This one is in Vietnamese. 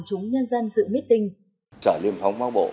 trong ngày lễ lịch sử đó lực lượng thuộc sở liên phóng bóc bộ